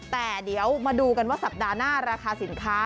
แต่เดี๋ยวมาดูกันว่าสัปดาห์หน้าราคาสินค้า